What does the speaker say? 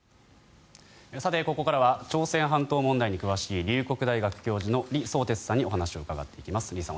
ここからは朝鮮半島問題に詳しい龍谷大学教授の李相哲さんにお話を伺っていきます。